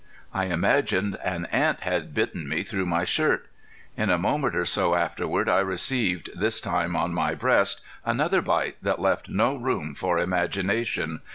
I imagined an ant had bitten me through my shirt. In a moment or so afterward I received, this time on my breast, another bite that left no room for imagination.